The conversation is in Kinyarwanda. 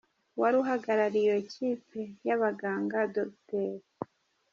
Uwari uhagarariye iyo kipe y’abaganga Dr.